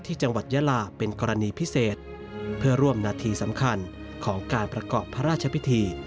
จังหวัดยาลาเป็นกรณีพิเศษเพื่อร่วมนาทีสำคัญของการประกอบพระราชพิธี